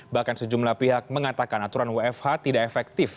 bahkan sejumlah pihak mengatakan aturan wfh tidak efektif